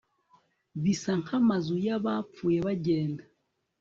bisa nkamazu yabapfuye bagenda ..